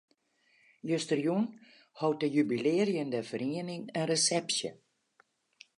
Justerjûn hold de jubilearjende feriening in resepsje.